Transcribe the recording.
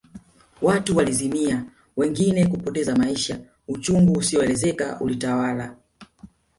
Watu walizimia wengine kupoteza maisha uchungu usioelezeka ulitawala